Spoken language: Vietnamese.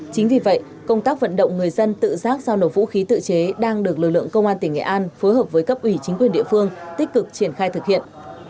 chính vì vậy công tác vận động người dân tự giác giao nổ vũ khí tự chế đang được lực lượng công an tỉnh nghệ an phối hợp với cấp ủy chính quyền địa phương tích cực triển khai thực hiện